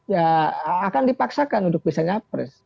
ya akan dipaksakan untuk bisa nyapres